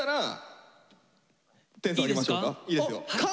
いいですか？